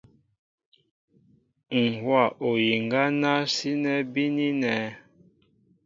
Ǹ hówa oyiŋga ná sínɛ́ bínínɛ̄.